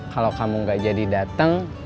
kalau kamu gak jadi datang